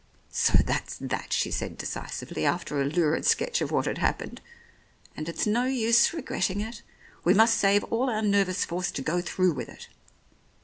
"So that's that," she said decisively, after a lurid sketch of what had happened, "and it's no use re gretting it. We must save all our nervous force to go through with it."